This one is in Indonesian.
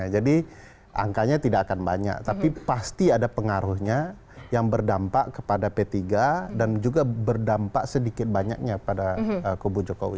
jadi angkanya tidak akan banyak tapi pasti ada pengaruhnya yang berdampak kepada p tiga dan juga berdampak sedikit banyaknya pada kubu jokowi